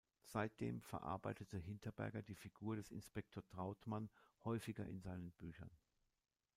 Seitdem verarbeitete Hinterberger die Figur des Inspektor Trautmann häufiger in seinen Büchern.